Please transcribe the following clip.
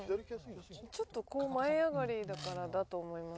ちょっと前上がりだからだと思います。